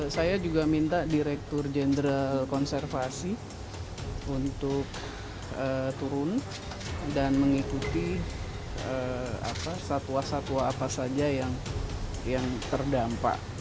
saya juga minta direktur jenderal konservasi untuk turun dan mengikuti satwa satwa apa saja yang terdampak